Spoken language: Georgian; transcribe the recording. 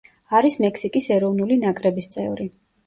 არის მექსიკის ეროვნული ნაკრების წევრი.